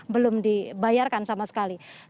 belum dibayarkan sama sekali